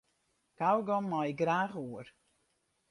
Kaugom mei ik graach oer.